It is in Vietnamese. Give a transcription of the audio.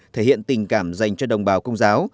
thể hiện tình cảm dành cho đồng bào công giáo